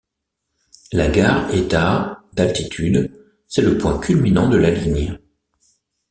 La gare est à d'altitude, c'est le point culminant de la ligne.